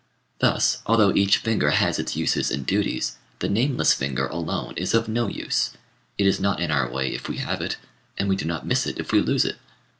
Thus, although each finger has its uses and duties, the nameless finger alone is of no use: it is not in our way if we have it, and we do not miss it if we lose it.